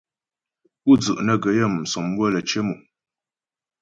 Pú dzu' nə́ gə yaə́mu' sɔmywə lə́ cyə mò.